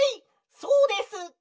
そうです！」。